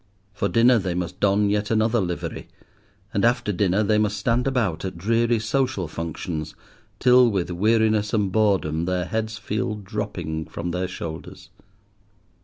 For dinner they must don yet another livery, and after dinner they must stand about at dreary social functions till with weariness and boredom their heads feel dropping from their shoulders.